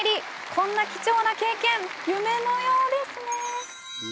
こんな貴重な経験、夢のようですね！